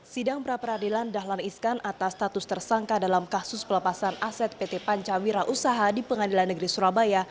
sidang pra peradilan dahlan iskan atas status tersangka dalam kasus pelepasan aset pt pancawira usaha di pengadilan negeri surabaya